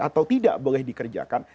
atau tidak boleh dikerjakan